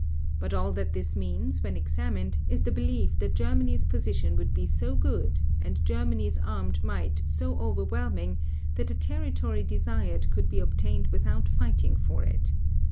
But all that this means, when examined, is the belief that Germany's position would be so good, and Germany's armed might so overwhelming that the territory desired could be obtained without fighting for it.